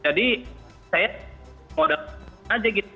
jadi saya modek aja gitu